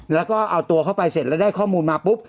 แล้วก็เอาตัวเข้าไปเสร็จแล้วได้ข้อมูลมาปุ๊บ